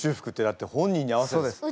だって本人に合わせて。